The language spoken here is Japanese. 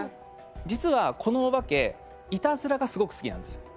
実はこのお化けいたずらがすごく好きなんですよ。